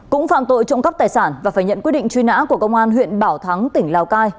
cũng phạm tội trộm cắp tài sản và phải nhận quyết định truy nã của công an huyện bảo thắng tỉnh lào cai